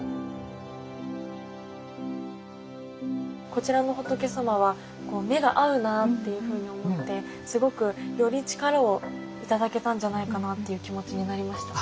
こちらの仏様は目が合うなっていうふうに思ってすごくより力を頂けたんじゃないかなっていう気持ちになりました。